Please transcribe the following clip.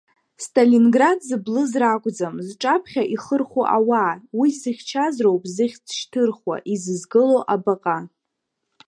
Сталинград зыблыз ракәӡам зҿаԥхьа ихырхәо ауаа, уи зыхьчаз роуп зыхьӡ шьҭырхуа, изызгыло абаҟа.